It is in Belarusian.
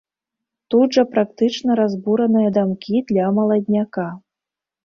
Тут жа практычна разбураныя дамкі для маладняка.